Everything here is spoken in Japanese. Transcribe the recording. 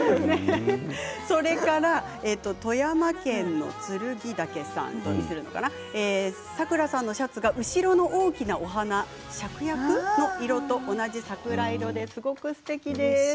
富山県の方サクラさんのシャツが後ろの大きなお花、シャクヤクの色と同じ桜色ですごくすてきです。